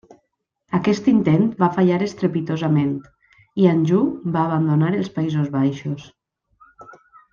Aquest intent va fallar estrepitosament, i Anjou va abandonar els Països Baixos.